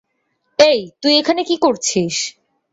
এই, তুই এখানে কী করছিস?